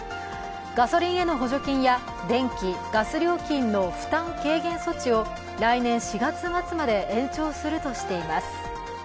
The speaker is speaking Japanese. ガソリンへの補助金や電気、ガス料金の負担軽減措置を来年４月末まで延長するとしています。